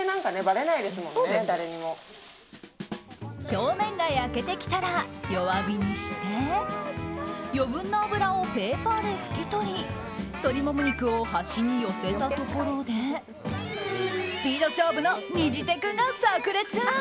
表面が焼けてきたら弱火にして余分な油をペーパーで拭き取り鶏もも肉を端に寄せたところでスピード勝負のにじテクが炸裂！